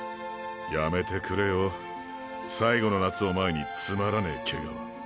やめてくれよ最後の夏を前につまらねぇケガは。